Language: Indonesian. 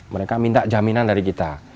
mereka minta jaminan dari kita